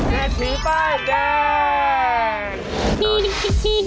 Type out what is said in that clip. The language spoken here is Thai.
แม่ผีไปได้